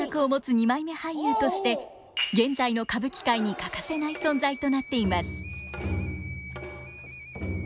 二枚目俳優として現在の歌舞伎界に欠かせない存在となっています。